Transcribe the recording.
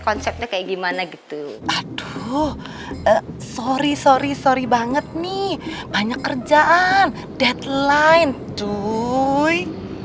konsepnya kayak gimana gitu aduh sorry sorry sorry banget nih banyak kerjaan deadline toy